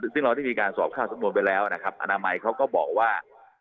ซึ่งเราได้มีการสอบเข้าสำนวนไปแล้วนะครับอนามัยเขาก็บอกว่า